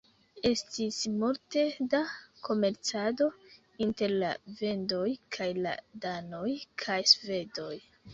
Estis multe da komercado inter la vendoj kaj la danoj kaj svedoj.